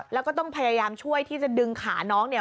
แล้วก็ต้องพยายามช่วยที่จะดึงขาน้องเนี่ย